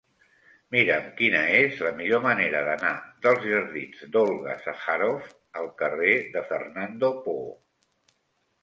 Mira'm quina és la millor manera d'anar dels jardins d'Olga Sacharoff al carrer de Fernando Poo.